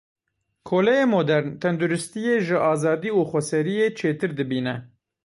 Koleyê modern, tenduristiyê ji azadî û xweseriyê çêtir dibîne.